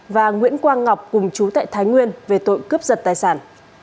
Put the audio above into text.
và nguyễn quang ngọc cùng chú tại thái nguyên về tội cướp giật tài sản